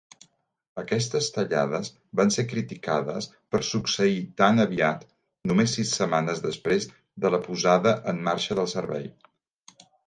Aquestes tallades van ser criticades per succeir tan aviat, només sis setmanes després de la posada en marxa del servei.